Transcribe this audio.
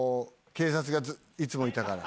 警察がいつもいたから。